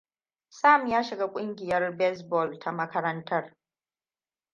Sam ya sami shiga kungiyar bezbol ta makarantar.